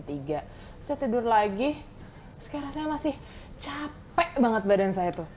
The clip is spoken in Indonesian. saya tidur lagi terus kayak rasanya masih capek banget badan saya tuh